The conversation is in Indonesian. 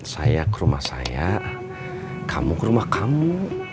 saya ke rumah saya kamu ke rumah kamu